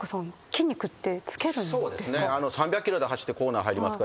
筋肉ってつけるんですか？